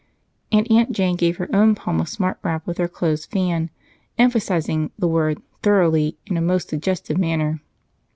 And Aunt Jane gave her own palm a smart rap with her closed fan, emphasizing the word "thoroughly" in a most suggestive manner.